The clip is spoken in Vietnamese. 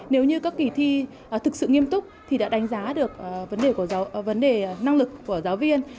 nếu như các kỳ thi thực sự nghiêm túc thì đã đánh giá được vấn đề năng lực của giáo viên